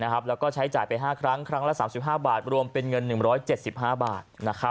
แล้วก็ใช้จ่ายไป๕ครั้งครั้งละ๓๕บาทรวมเป็นเงิน๑๗๕บาท